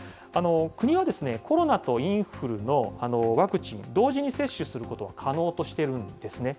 国はコロナとインフルのワクチン、同時に接種することは可能としてるんですね。